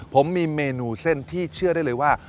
ผมมีเมนูเส้นที่เชื่อได้เลยว่า